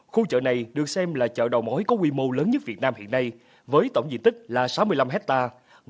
khu chợ này được xem là chợ đầu mối có quy mô lớn nhất việt nam hiện nay với tổng diện tích là sáu mươi năm hectare